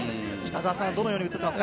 どのように映ってますか？